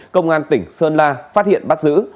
công an tỉnh sơn la phát hiện bắt giữ